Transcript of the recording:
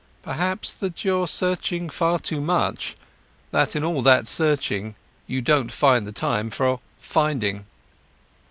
Perhaps that you're searching far too much? That in all that searching, you don't find the time for finding?"